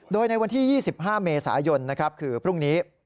โดยในวันที่๒๕เมษายนคือพรุ่งนี้